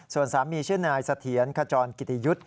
ส่วนสามีชื่อนายเสถียรขจรกิติยุทธ์